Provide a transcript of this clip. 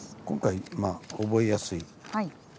今回まあ覚えやすい。